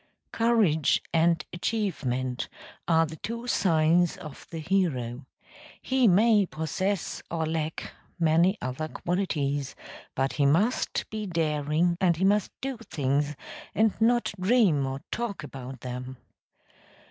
Courage and achievement are the two signs of the hero; he may possess or lack many other qualities, but he must be daring and he must do things and not dream or talk about them.